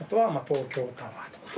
東京タワーだ。